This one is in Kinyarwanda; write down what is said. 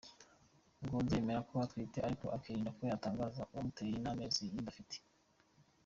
Ganzo yemera ko atwite ariko akirinda kuba yatangaza uwamuteye n’amezi inda ifite.